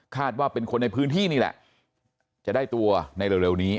ว่าเป็นคนในพื้นที่นี่แหละจะได้ตัวในเร็วนี้